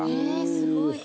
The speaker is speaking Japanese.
すごい数！